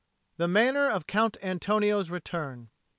THE MANNER OF COUNT ANTONIO'S RETURN.